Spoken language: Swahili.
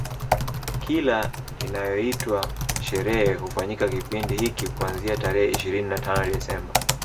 Kila inayoitwa sherehe hufanyika kipindi hiki kuanzia tarehe ishirini na tano Desemba